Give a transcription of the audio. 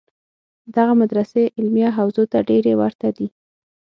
دغه مدرسې علمیه حوزو ته ډېرې ورته دي.